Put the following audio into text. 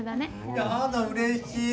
やだうれしい。